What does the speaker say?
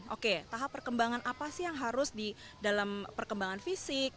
oke tahap perkembangan apa sih yang harus di dalam perkembangan fisik